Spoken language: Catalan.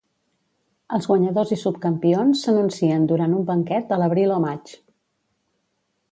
Els guanyadors i subcampions s'anuncien durant un banquet a l'abril o maig.